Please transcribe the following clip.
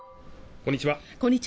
こんにちは